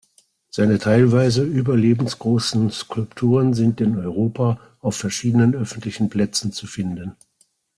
Seine teilweise überlebensgroßen Skulpturen sind in Europa auf verschiedenen öffentlichen Plätzen zu finden.